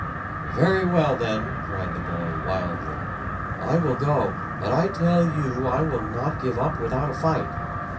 "Very well, then," cried the boy wildly, "I will go. But I tell you I will not give up without a fight.